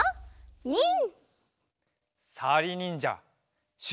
ニン！